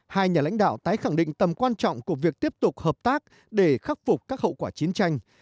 hai nhà lãnh đạo tái khẳng định tầm quan trọng của việc tiếp tục hợp tác để khắc phục các hậu quả chiến tranh